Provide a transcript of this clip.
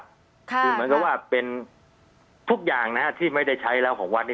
คือเหมือนกับว่าเป็นทุกอย่างนะที่ไม่ได้ใช้แล้วของวัดนี้